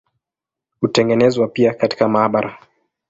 Hutengenezwa pia katika maabara.